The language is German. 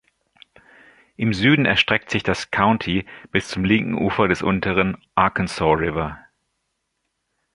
Im Süden erstreckt sich das County bis zum linken Ufer des unteren Arkansas River.